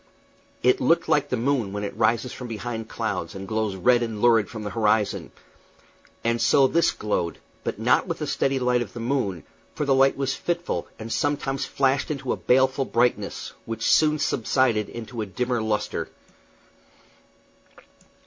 It looked like the moon when it rises from behind clouds, and glows red and lurid from the horizon; and so this glowed, but not with the steady light of the moon, for the light was fitful, and sometimes flashed into a baleful brightness, which soon subsided into a dimmer lustre.